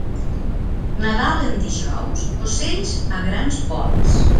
Nadal en dijous, ocells a grans vols.